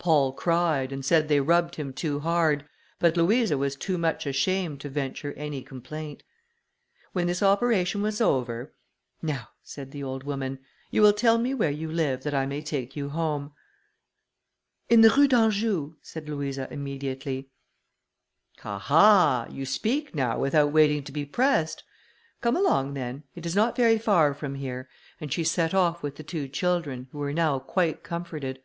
Paul cried, and said they rubbed him too hard, but Louisa was too much ashamed to venture any complaint. When this operation was over, "Now," said the old woman, "you will tell me where you live, that I may take you home." "In the Rue d'Anjou," said Louisa, immediately. "Ha! ha! You can speak now without waiting to be pressed; come along, then; it is not very far from here," and she set off with the two children, who were now quite comforted.